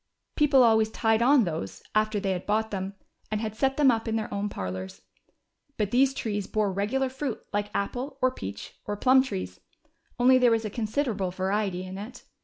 People always tied on those, after they had bought them, and had set them up in their own parlors. But these trees bore regular fruit like apple, or peach, or plum trees, only there was a considerable variety in it.